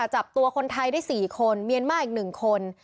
จับตัวคนไทยได้๔คนเมียนมาร์อีก๑คน